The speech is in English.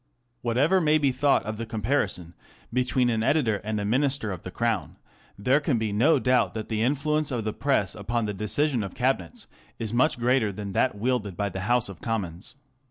Whatever may be thought of the comparison between an editor and a Minister of the Crown, there can be no doubt that the influence of the Press upon the decision of Cabinets is much greater than that wielded by the House of Commons.